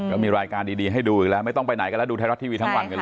ก็มีรายการดีให้ดูอีกแล้วไม่ต้องไปไหนกันแล้วดูไทยรัฐทีวีทั้งวันกันเลย